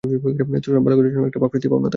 সব ভালো কাজের জন্যই একটা শাস্তি পাওনা থাকে।